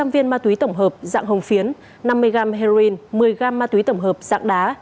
sáu trăm linh viên ma túy tổng hợp dạng hồng phiến năm mươi g heroin một mươi g ma túy tổng hợp dạng đá